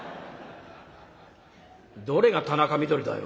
どれが田中みどりだよ？